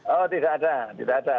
oh tidak ada tidak ada